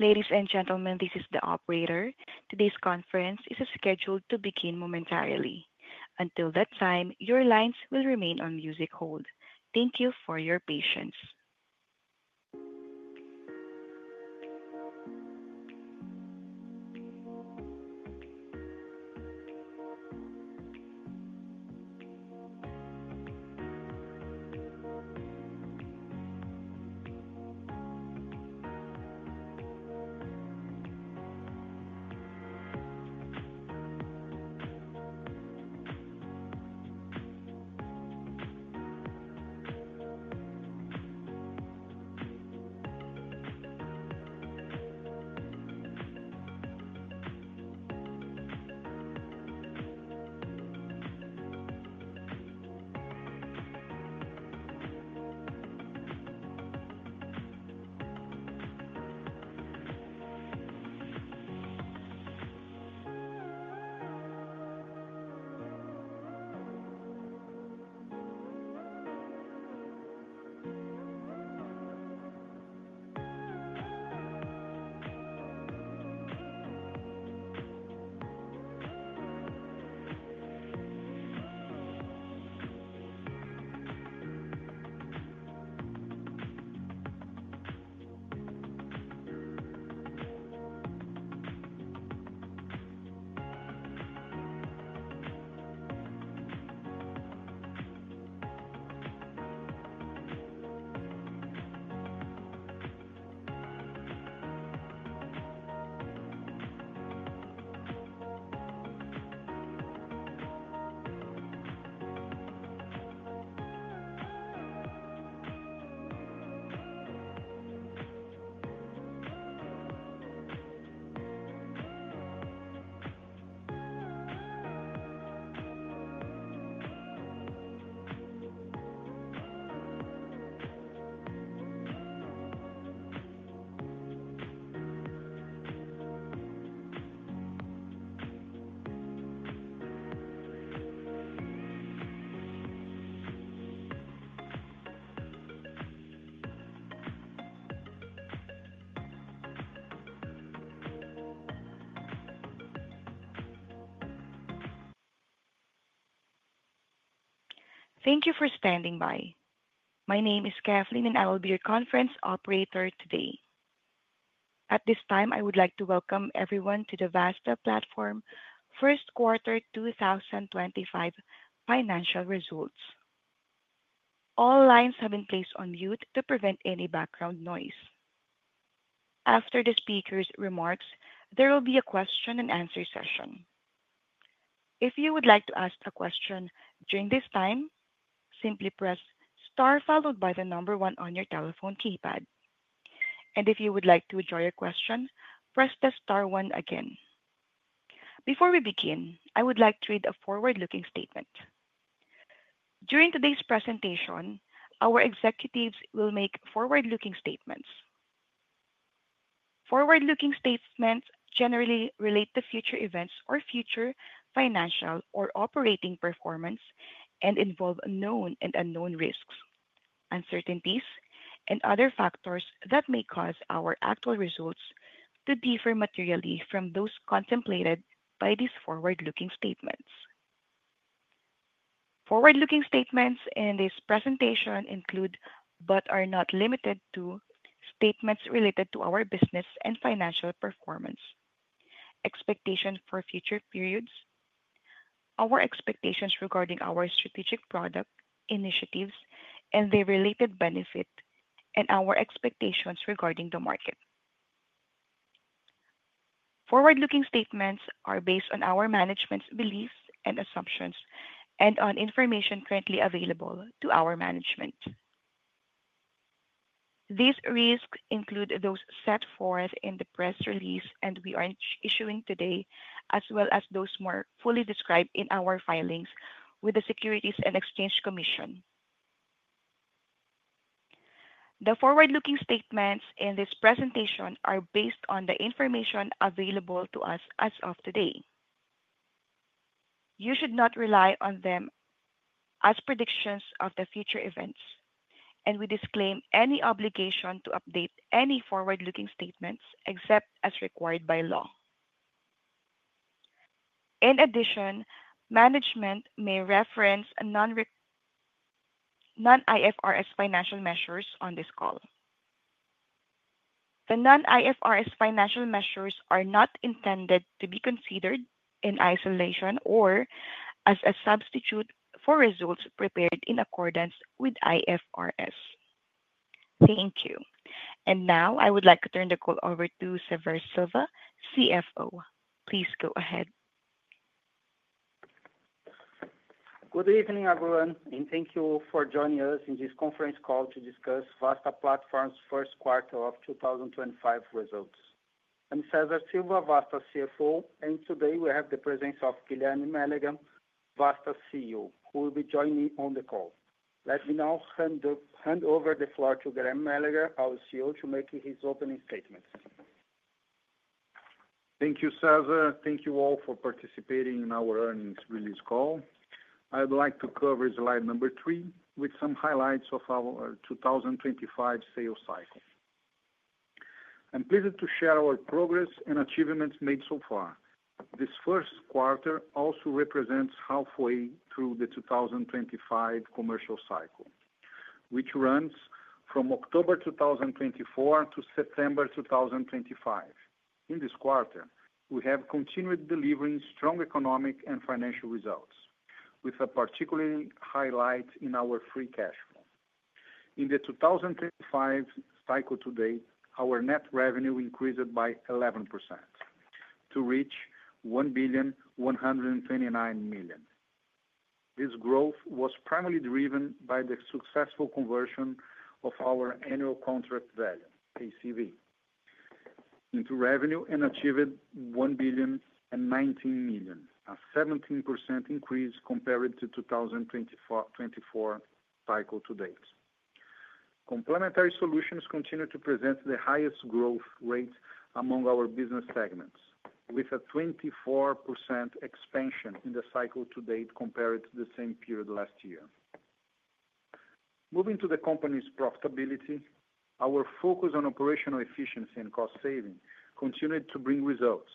Ladies and gentlemen, this is the operator. Today's conference is scheduled to begin momentarily. Until that time, your lines will remain on music hold. Thank you for your patience. Thank you for standing by. My name is Kathleen, and I will be your conference operator today. At this time, I would like to welcome everyone to the Vasta Platform First Quarter 2025 financial results. All lines have been placed on mute to prevent any background noise. After the speaker's remarks, there will be a question-and-answer session. If you would like to ask a question during this time, simply press star followed by the number one on your telephone keypad. If you would like to draw your question, press the star one again. Before we begin, I would like to read a forward-looking statement. During today's presentation, our executives will make forward-looking statements. Forward-looking statements generally relate to future events or future financial or operating performance and involve known and unknown risks, uncertainties, and other factors that may cause our actual results to differ materially from those contemplated by these forward-looking statements. Forward-looking statements in this presentation include, but are not limited to, statements related to our business and financial performance, expectations for future periods, our expectations regarding our strategic product initiatives and their related benefit, and our expectations regarding the market. Forward-looking statements are based on our management's beliefs and assumptions and on information currently available to our management. These risks include those set forth in the press release we are issuing today, as well as those more fully described in our filings with the Securities and Exchange Commission. The forward-looking statements in this presentation are based on the information available to us as of today. You should not rely on them as predictions of the future events, and we disclaim any obligation to update any forward-looking statements except as required by law. In addition, management may reference non-IFRS financial measures on this call. The non-IFRS financial measures are not intended to be considered in isolation or as a substitute for results prepared in accordance with IFRS. Thank you. I would like to turn the call over to Cesar Silva, CFO. Please go ahead. Good evening, everyone, and thank you for joining us in this conference call to discuss Vasta Platform's first quarter of 2025 results. I'm Cesar Silva, Vasta CFO, and today we have the presence of Guilherme Mélega, Vasta CEO, who will be joining on the call. Let me now hand over the floor to Guilherme Mélega, our CEO, to make his opening statements. Thank you, Cesar. Thank you all for participating in our earnings release call. I'd like to cover slide number three with some highlights of our 2025 sales cycle. I'm pleased to share our progress and achievements made so far. This first quarter also represents halfway through the 2025 commercial cycle, which runs from October 2024 to September 2025. In this quarter, we have continued delivering strong economic and financial results, with a particular highlight in our free cash flow. In the 2025 cycle to date, our net revenue increased by 11% to reach 1,129 million. This growth was primarily driven by the successful conversion of our annual contract value, ACV, into revenue and achieved 1,019 million, a 17% increase compared to the 2024 cycle to date. Complementary solutions continue to present the highest growth rate among our business segments, with a 24% expansion in the cycle to date compared to the same period last year. Moving to the company's profitability, our focus on operational efficiency and cost saving continued to bring results.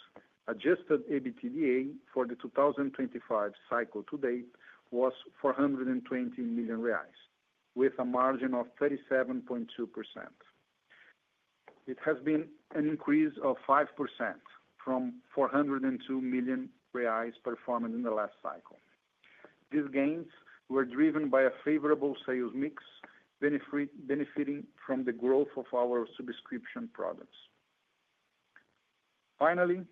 Adjusted EBITDA for the 2025 cycle to date was 420 million reais, with a margin of 37.2%. It has been an increase of 5% from 402 million reais performed in the last cycle. These gains were driven by a favorable sales mix, benefiting from the growth of our subscription products. Finally,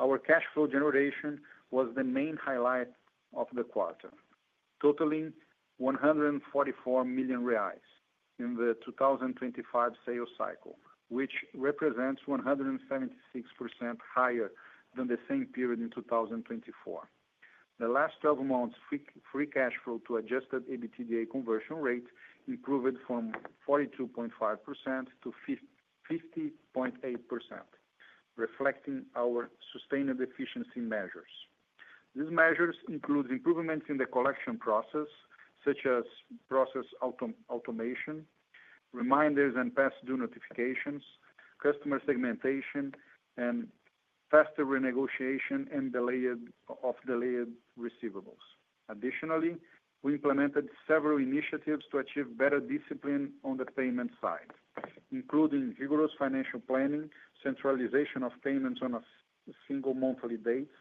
our cash flow generation was the main highlight of the quarter, totaling 144 million reais in the 2025 sales cycle, which represents 176% higher than the same period in 2024. The last 12 months' free cash flow to adjusted EBITDA conversion rate improved from 42.5% to 50.8%, reflecting our sustainable efficiency measures. These measures include improvements in the collection process, such as process automation, reminders and past due notifications, customer segmentation, and faster renegotiation of delayed receivables. Additionally, we implemented several initiatives to achieve better discipline on the payment side, including rigorous financial planning, centralization of payments on single monthly dates,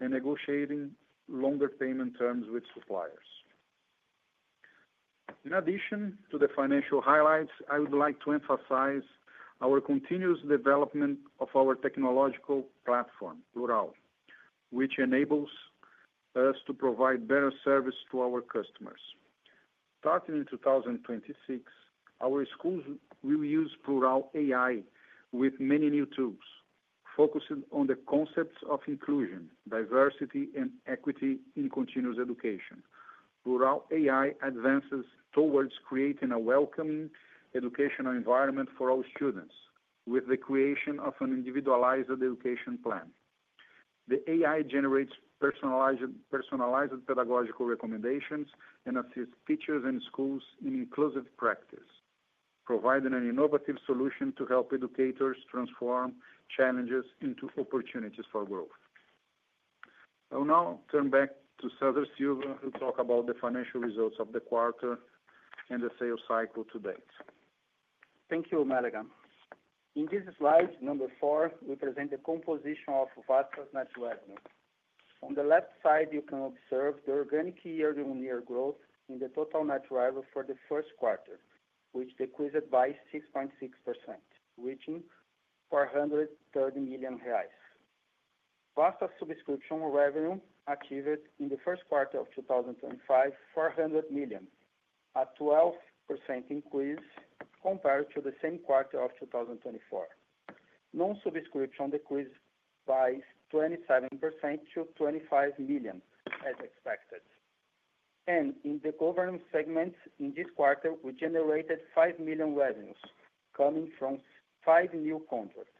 and negotiating longer payment terms with suppliers. In addition to the financial highlights, I would like to emphasize our continuous development of our technological platform, Plural, which enables us to provide better service to our customers. Starting in 2026, our schools will use Plural AI with many new tools, focusing on the concepts of inclusion, diversity, and equity in continuous education. Plural AI advances towards creating a welcoming educational environment for all students, with the creation of an individualized education plan. The AI generates personalized pedagogical recommendations and assists teachers and schools in inclusive practice, providing an innovative solution to help educators transform challenges into opportunities for growth. I'll now turn back to Cesar Silva, who will talk about the financial results of the quarter and the sales cycle to date. Thank you, Mélega. In this slide, number four, we present the composition of Vasta's net revenue. On the left side, you can observe the organic year-on-year growth in the total net revenue for the first quarter, which decreased by 6.6%, reaching 430 million reais. Vasta's subscription revenue achieved in the first quarter of 2025, 400 million, a 12% increase compared to the same quarter of 2024. Non-subscription decreased by 27% to 25 million, as expected. In the government segment, in this quarter, we generated 5 million revenues, coming from five new contracts.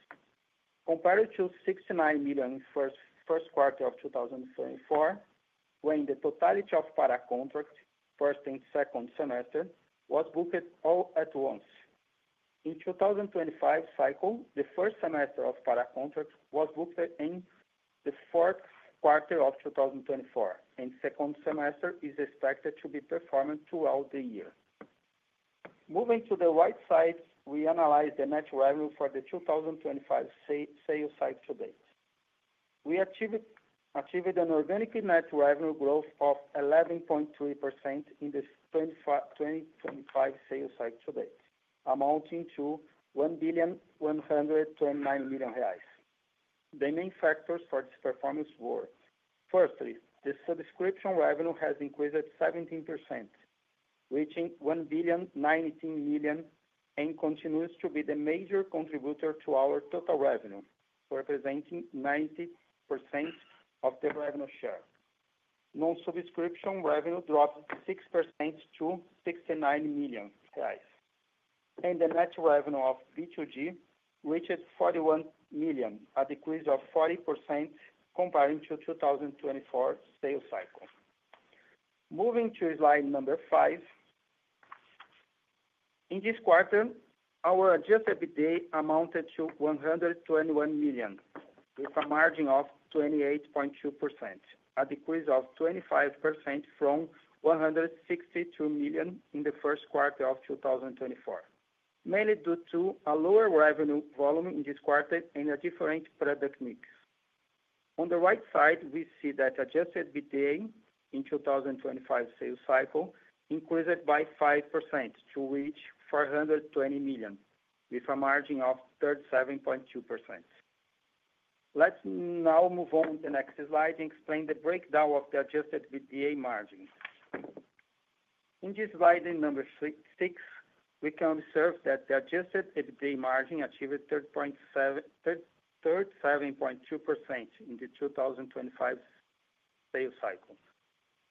Compared to 69 million in the first quarter of 2024, when the totality of para-contracts, first and second semester, was booked all at once. In the 2025 cycle, the first semester of para-contracts was booked in the fourth quarter of 2024, and the second semester is expected to be performed throughout the year. Moving to the right side, we analyze the net revenue for the 2025 sales cycle to date. We achieved an organic net revenue growth of 11.3% in the 2025 sales cycle to date, amounting to 1,129 million reais. The main factors for this performance were, firstly, the subscription revenue has increased 17%, reaching 1,019 million, and continues to be the major contributor to our total revenue, representing 90% of the revenue share. Non-subscription revenue dropped 6% to 69 million reais, and the net revenue of B2G reached 41 million, a decrease of 40% compared to the 2024 sales cycle. Moving to slide number five, in this quarter, our adjusted EBITDA amounted to 121 million, with a margin of 28.2%, a decrease of 25% from 162 million in the first quarter of 2024, mainly due to a lower revenue volume in this quarter and a different product mix. On the right side, we see that adjusted EBITDA in the 2025 sales cycle increased by 5% to reach 420 million, with a margin of 37.2%. Let's now move on to the next slide and explain the breakdown of the adjusted EBITDA margin. In this slide, in number six, we can observe that the adjusted EBITDA margin achieved 37.2% in the 2025 sales cycle,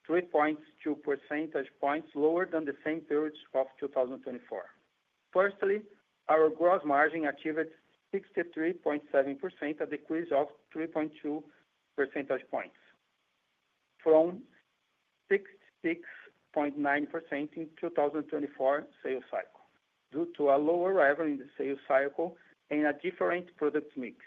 3.2 percentage points lower than the same period of 2024. Firstly, our gross margin achieved 63.7%, a decrease of 3.2 percentage points from 66.9% in the 2024 sales cycle, due to a lower revenue in the sales cycle and a different product mix.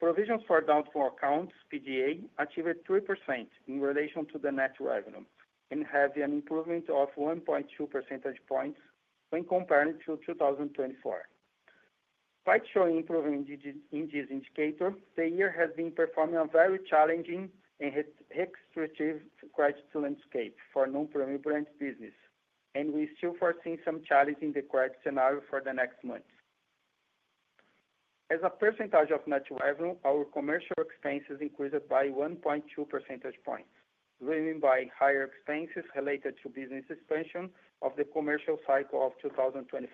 Provisions for doubtful accounts, PDA, achieved 3% in relation to the net revenue and have an improvement of 1.2 percentage points when compared to 2024. Quite showing improvement in this indicator, the year has been performing a very challenging and restrictive credit landscape for non-premium brand business, and we still foresee some challenges in the credit scenario for the next month. As a percentage of net revenue, our commercial expenses increased by 1.2 percentage points, driven by higher expenses related to business expansion of the commercial cycle of 2025.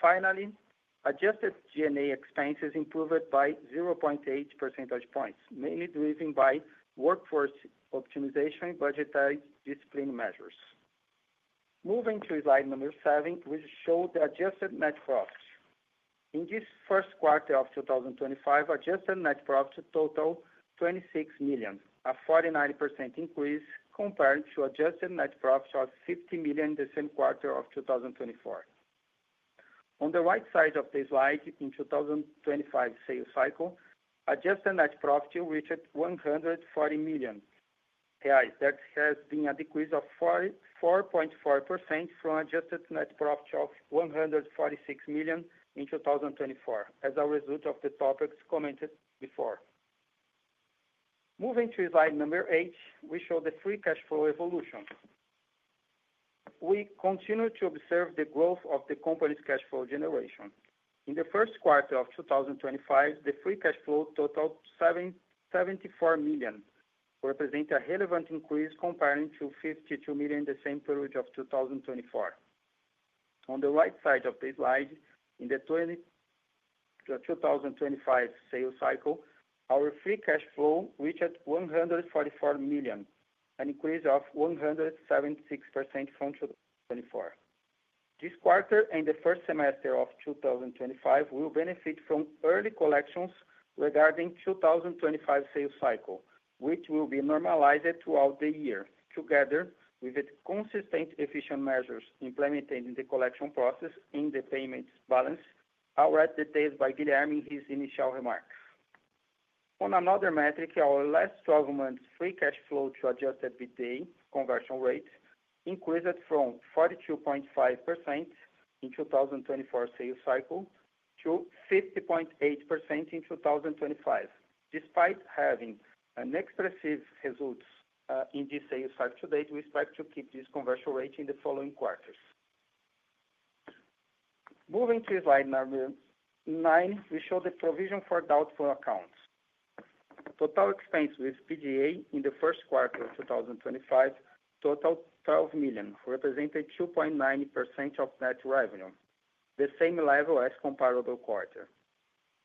Finally, adjusted G&A expenses improved by 0.8 percentage points, mainly driven by workforce optimization and budgetary discipline measures. Moving to slide number seven, we show the adjusted net profit. In this first quarter of 2025, adjusted net profit totaled 26 million, a 49% increase compared to adjusted net profit of 50 million in the same quarter of 2024. On the right side of the slide, in the 2025 sales cycle, adjusted net profit reached 140 million. That has been a decrease of 4.4% from adjusted net profit of 146 million in 2024, as a result of the topics commented before. Moving to slide number eight, we show the free cash flow evolution. We continue to observe the growth of the company's cash flow generation. In the first quarter of 2025, the free cash flow totaled 74 million, representing a relevant increase compared to 52 million in the same period of 2024. On the right side of the slide, in the 2025 sales cycle, our free cash flow reached 144 million, an increase of 176% from 2024. This quarter and the first semester of 2025 will benefit from early collections regarding the 2025 sales cycle, which will be normalized throughout the year, together with consistent efficient measures implemented in the collection process and the payments balance outright detailed by Guilherme in his initial remarks. On another metric, our last 12 months' free cash flow to Adjusted EBITDA conversion rate increased from 42.5% in the 2024 sales cycle to 50.8% in 2025. Despite having expressive results in this sales cycle to date, we expect to keep this conversion rate in the following quarters. Moving to slide number nine, we show the provision for doubtful accounts. Total expenses with PDA in the first quarter of 2025 totaled 12 million, representing 2.9% of net revenue, the same level as the comparable quarter.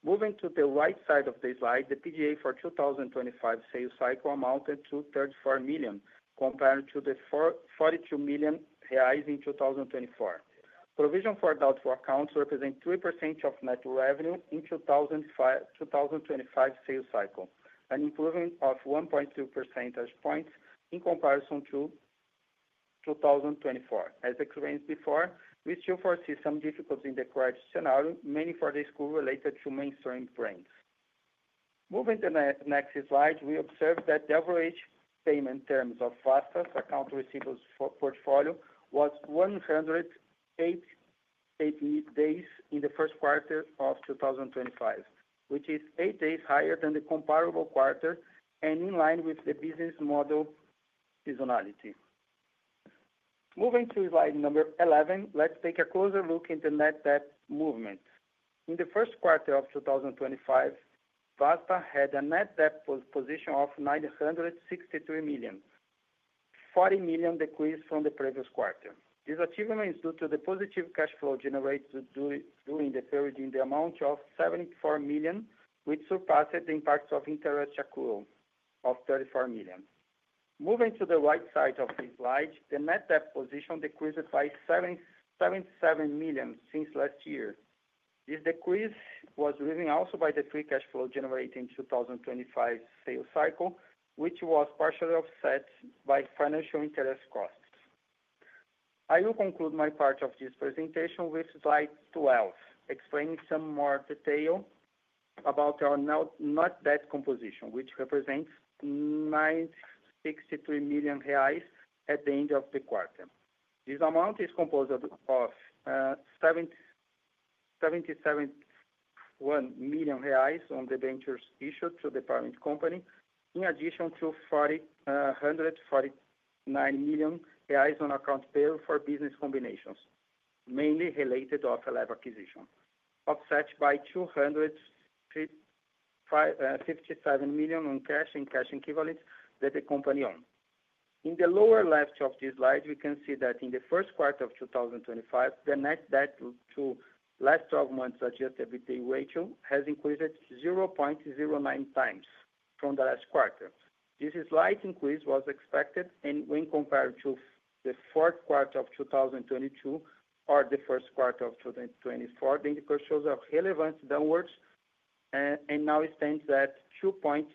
Moving to the right side of the slide, the PDA for the 2025 sales cycle amounted to 34 million compared to the 42 million reais in 2024. Provisions for doubtful accounts represent 3% of net revenue in the 2025 sales cycle, an improvement of 1.2 percentage points in comparison to 2024. As explained before, we still foresee some difficulties in the credit scenario, mainly for the school related to mainstream brands. Moving to the next slide, we observe that the average payment terms of Vasta's account receivables portfolio was 108 days in the first quarter of 2025, which is eight days higher than the comparable quarter and in line with the business model seasonality. Moving to slide number 11, let's take a closer look at the net debt movement. In the first quarter of 2025, Vasta had a net debt position of 963 million, 40 million decreased from the previous quarter. This achievement is due to the positive cash flow generated during the period in the amount of 74 million, which surpassed the impact of interest accrual of 34 million. Moving to the right side of the slide, the net debt position decreased by 77 million since last year. This decrease was driven also by the free cash flow generated in the 2025 sales cycle, which was partially offset by financial interest costs. I will conclude my part of this presentation with slide 12, explaining some more detail about our net debt composition, which represents 963 million reais at the end of the quarter. This amount is composed of 77 million reais on the ventures issued to the parent company, in addition to 149 million reais on account payable for business combinations, mainly related to off-and-lab acquisition, offset by 257 million on cash and cash equivalents that the company owns. In the lower left of this slide, we can see that in the first quarter of 2025, the net debt to last 12 months adjusted EBITDA ratio has increased 0.09x from the last quarter. This slight increase was expected when compared to the fourth quarter of 2022 or the first quarter of 2024, indicating a relevant downward trend, and now stands at 2.06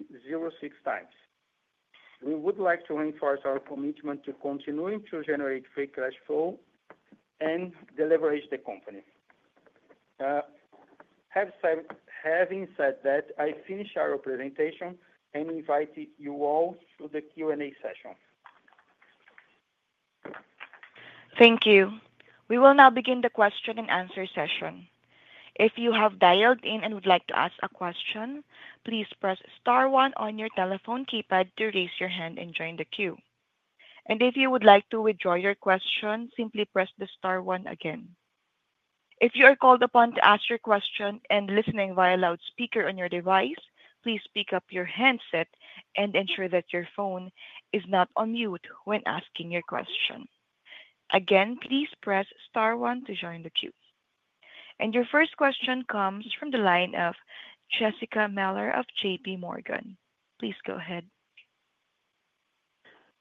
times. We would like to reinforce our commitment to continuing to generate free cash flow and deleverage the company. Having said that, I finish our presentation and invite you all to the Q&A session. Thank you. We will now begin the question and answer session. If you have dialed in and would like to ask a question, please press star one on your telephone keypad to raise your hand and join the queue. If you would like to withdraw your question, simply press the star one again. If you are called upon to ask your question and listening via loudspeaker on your device, please pick up your handset and ensure that your phone is not on mute when asking your question. Again, please press star one to join the queue. Your first question comes from the line of Jessica Mehler of J.P. Morgan. Please go ahead.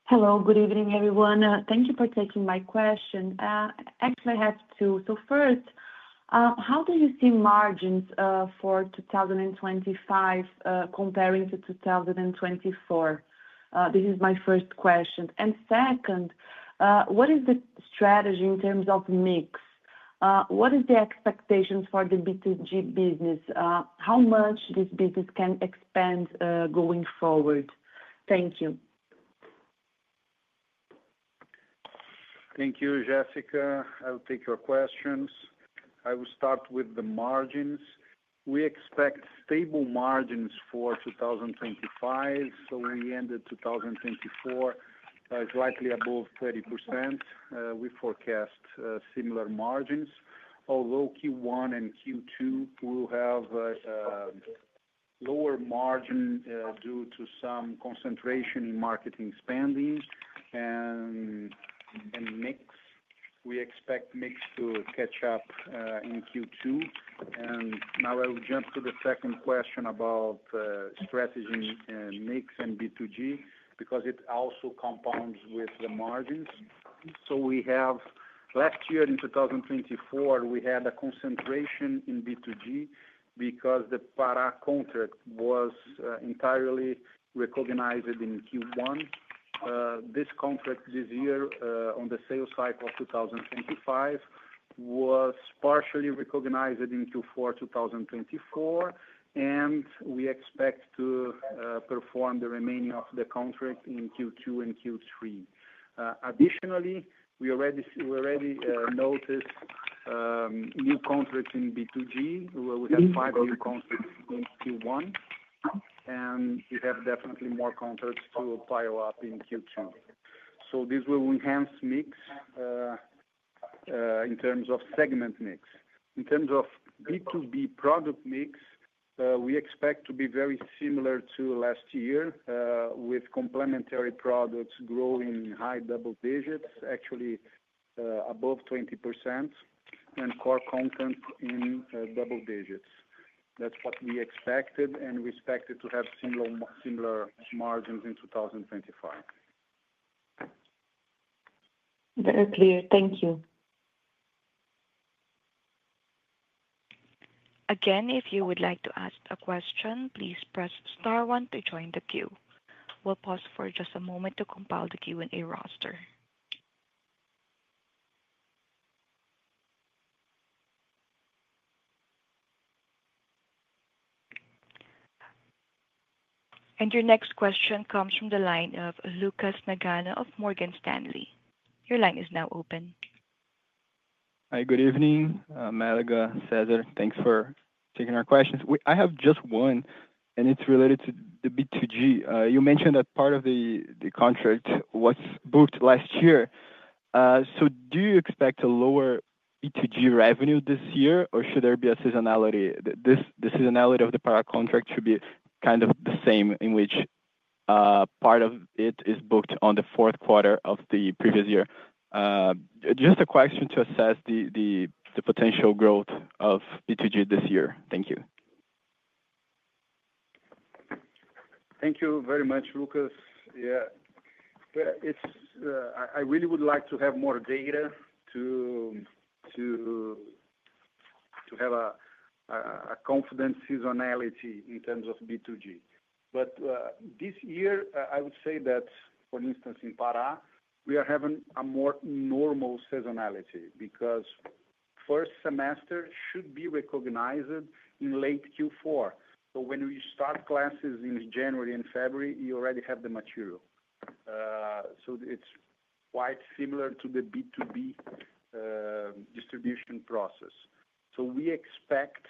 Hello, good evening, everyone. Thank you for taking my question. Actually, I have two. First, how do you see margins for 2025 comparing to 2024? This is my first question. Second, what is the strategy in terms of mix? What is the expectation for the B2G business? How much this business can expand going forward? Thank you. Thank you, Jessica. I'll take your questions. I will start with the margins. We expect stable margins for 2025, so we ended 2024 slightly above 30%. We forecast similar margins, although Q1 and Q2 will have lower margins due to some concentration in marketing spending and mix. We expect mix to catch up in Q2. I will jump to the second question about strategy mix and B2G because it also compounds with the margins. We have last year in 2024, we had a concentration in B2G because the para-contract was entirely recognized in Q1. This contract this year on the sales cycle of 2025 was partially recognized in Q4 2024, and we expect to perform the remaining of the contract in Q2 and Q3. Additionally, we already noticed new contracts in B2G. We have five new contracts in Q1, and we have definitely more contracts to pile up in Q2. This will enhance mix in terms of segment mix. In terms of B2B product mix, we expect to be very similar to last year, with complementary products growing in high double digits, actually above 20%, and core content in double digits. That is what we expected and we expected to have similar margins in 2025. Very clear. Thank you. Again, if you would like to ask a question, please press star one to join the queue. We'll pause for just a moment to compile the Q&A roster. Your next question comes from the line of Lucas Nagano of Morgan Stanley. Your line is now open. Hi, good evening, Mário Ghio, Cesar. Thanks for taking our questions. I have just one, and it's related to the B2G. You mentioned that part of the contract was booked last year. Do you expect a lower B2G revenue this year, or should there be a seasonality? The seasonality of the para-contract should be kind of the same, in which part of it is booked on the fourth quarter of the previous year. Just a question to assess the potential growth of B2G this year. Thank you. Thank you very much, Lucas. Yeah, I really would like to have more data to have a confident seasonality in terms of B2G. This year, I would say that, for instance, in Pará, we are having a more normal seasonality because the first semester should be recognized in late Q4. When we start classes in January and February, you already have the material. It is quite similar to the B2B distribution process. We expect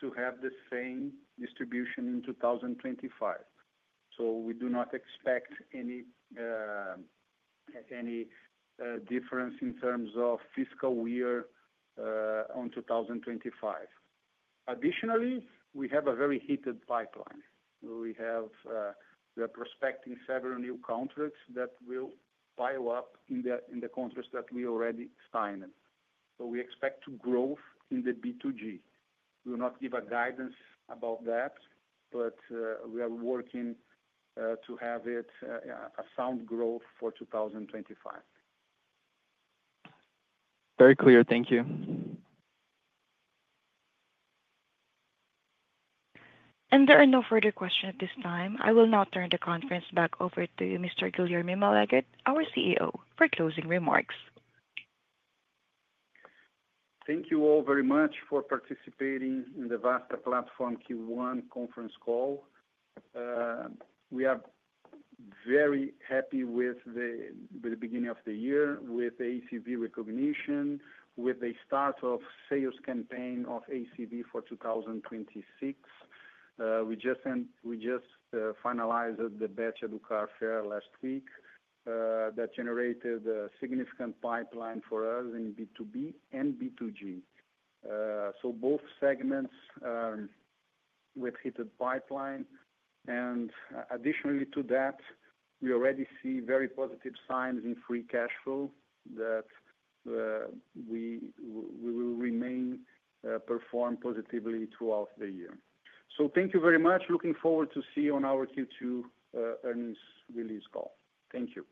to have the same distribution in 2025. We do not expect any difference in terms of fiscal year in 2025. Additionally, we have a very heated pipeline. We are prospecting several new contracts that will pile up in the contracts that we already signed. We expect growth in the B2G. We will not give guidance about that, but we are working to have a sound growth for 2025. Very clear. Thank you. There are no further questions at this time. I will now turn the conference back over to Mr. Guilherme Mélega, our CEO, for closing remarks. Thank you all very much for participating in the Vasta Platform Q1 conference call. We are very happy with the beginning of the year, with the ACV recognition, with the start of the sales campaign of ACV for 2026. We just finalized the batch at Ducat Fair last week that generated a significant pipeline for us in B2B and B2G. Both segments with a heated pipeline. Additionally to that, we already see very positive signs in free cash flow that we will remain performing positively throughout the year. Thank you very much. Looking forward to seeing you on our Q2 earnings release call. Thank you.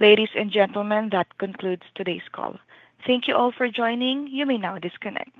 Ladies and gentlemen, that concludes today's call. Thank you all for joining. You may now disconnect.